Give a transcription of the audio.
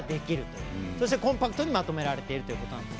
そして、コンパクトにまとめられているということです。